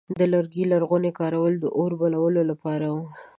د لرګي لرغونی کارول د اور بلولو لپاره و.